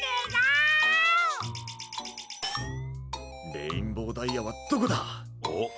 レインボーダイヤはどこだ！